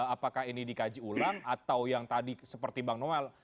apakah ini dikaji ulang atau yang tadi seperti bang noel